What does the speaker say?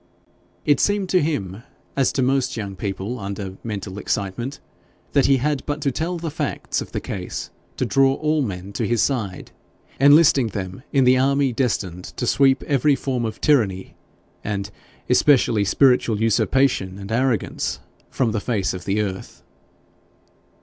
It seemed to him, as to most young people under mental excitement, that he had but to tell the facts of the case to draw all men to his side, enlisting them in the army destined to sweep every form of tyranny, and especially spiritual usurpation and arrogance, from the face of the earth.